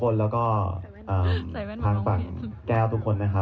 อย่าหวานมากค่ะ